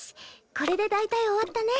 これで大体終わったね。